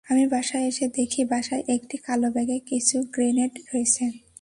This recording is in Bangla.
আমি বাসায় এসে দেখি, বাসায় একটি কালো ব্যাগে কিছু গ্রেনেড রয়েছে।